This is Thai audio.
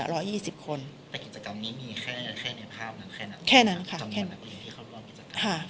แต่กิจกรรมนี้มีแค่ในภาพนั้นแค่นั้น